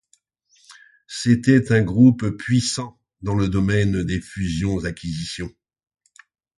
C'était un groupe puissant dans le domaine des fusion-acquisition.